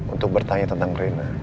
untuk bertanya tentang rena